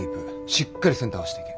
しっかりセンター合わしていけ！